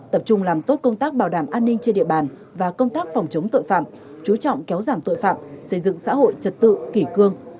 tập trung làm tốt công tác bảo đảm an ninh trên địa bàn và công tác phòng chống tội phạm chú trọng kéo giảm tội phạm xây dựng xã hội trật tự kỷ cương